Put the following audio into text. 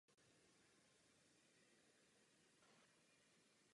Osada nemá zatím platný územní plán.